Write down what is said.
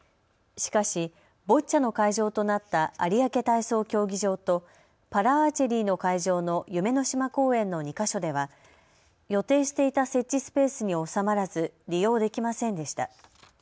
しかしボッチャの会場となった有明体操競技場とパラアーチェリーの会場の夢の島公園の２か所では予定していた設置スペースに収まらず利用できませんでした。